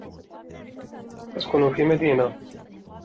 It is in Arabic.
أسكن في مدينة.